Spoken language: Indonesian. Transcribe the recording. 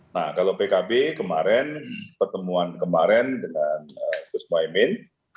nah kalau pkb kemarin pertemuan kemarin dengan gus mohaimin